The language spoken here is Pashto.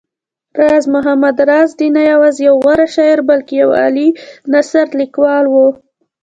راز محمد راز دی نه يوازې يو غوره شاعر بلکې يو عالي نثرليکوال و